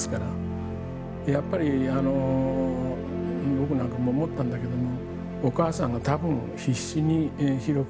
僕なんかも思ったんだけども。